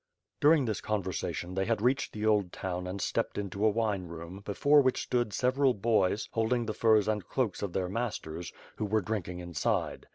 During this conversation, they had reached the old town and stepped into a wine room before which stood several boys holding the furs and cloaks of their masters, who were drinking inside.